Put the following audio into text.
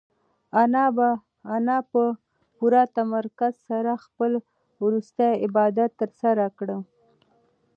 انا په پوره تمرکز سره خپل وروستی عبادت ترسره کړ.